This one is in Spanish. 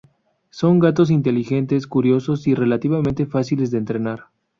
Son gatos inteligentes, curiosos, y relativamente fáciles de entrenar.